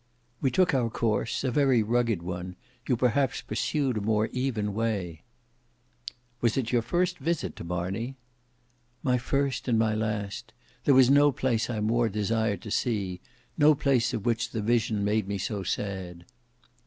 "We took our course; a very rugged one; you perhaps pursued a more even way." "Was it your first visit to Marney?" "My first and my last. There was no place I more desired to see; no place of which the vision made me so sad."